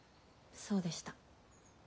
そうでした。